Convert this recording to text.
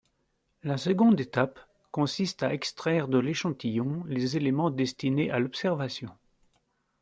La seconde étape consiste à extraire de l’échantillon les éléments destinés à l’observation.